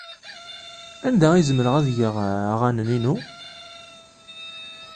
Anda ay zemreɣ ad geɣ aɣanen-inu?